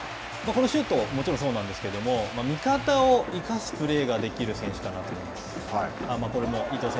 このシュートももちろんそうなんですけれども、味方が生かすプレーができる選手だなと思います。